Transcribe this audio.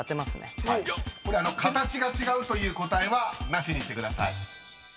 ［これ形が違うという答えはなしにしてください］